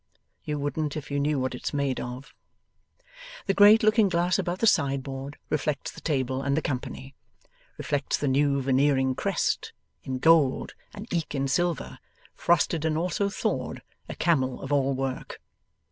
'You wouldn't if you knew what it's made of.' The great looking glass above the sideboard, reflects the table and the company. Reflects the new Veneering crest, in gold and eke in silver, frosted and also thawed, a camel of all work.